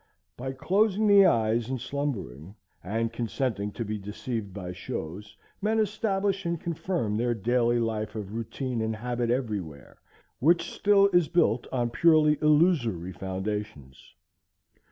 By closing the eyes and slumbering, and consenting to be deceived by shows, men establish and confirm their daily life of routine and habit everywhere, which still is built on purely illusory foundations.